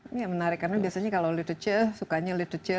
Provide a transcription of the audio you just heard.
ini yang menarik karena biasanya kalau literature sukanya literature